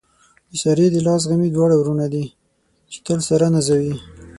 د سارې د لاس غمي دواړه وروڼه دي، چې تل ساره نازوي.